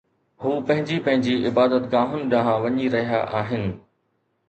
هو پنهنجي پنهنجي عبادت گاهن ڏانهن وڃي رهيا آهن